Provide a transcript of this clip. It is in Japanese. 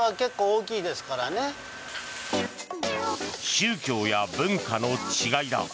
宗教や文化の違いだ。